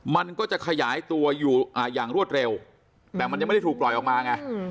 มันก็จะขยายตัวอยู่อย่างรวดเร็วแต่มันยังไม่ได้ถูกปล่อยออกมาไง